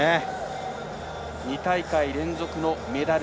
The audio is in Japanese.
２大会連続のメダル。